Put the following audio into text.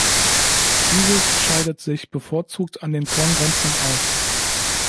Dieses scheidet sich bevorzugt an den Korngrenzen aus.